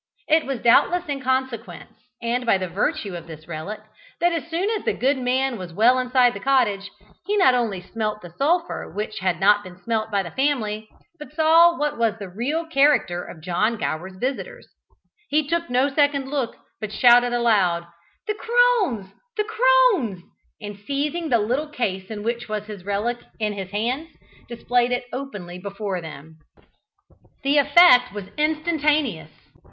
It was doubtless in consequence, and by virtue of this relic, that as soon as the good man was well inside the cottage, he not only smelt the sulphur which had not been smelt by the family, but saw what was the real character of John Gower's visitors. He took no second look, but shouted aloud, "The crones! the crones!" and seizing the little case in which was his relic in his hands, displayed it openly before them. The effect was instantaneous.